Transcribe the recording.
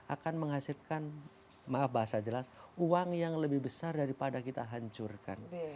akan menghasilkan maaf bahasa jelas uang yang lebih besar daripada kita hancurkan